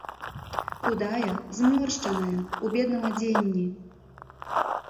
Худая, зморшчаная, у бедным адзенні.